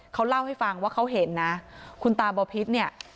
เขาเล่าให้ฟังว่าเขาเห็นนะคุณตาบอพิษเนี่ย